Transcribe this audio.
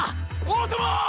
大友！